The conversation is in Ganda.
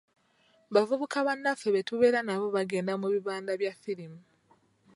Bavubuka bannaffe be tubeera nabo bagenda mu "bibanda"bya ffirimu.